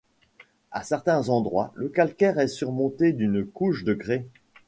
À certains endroits, le calcaire est surmonté d'une couche de grès.